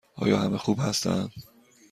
آیا همه خوب هستند؟